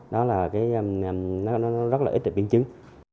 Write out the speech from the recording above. đó là rất là ít biến chứng